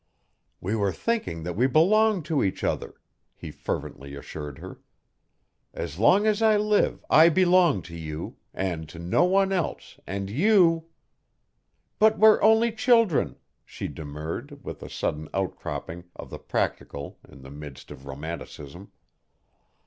"We were thinking that we belong to each other," he fervently assured her. "As long as I live I belong to you and to no one else, and you " "But we're only children," she demurred, with a sudden outcropping of the practical in the midst of romanticism.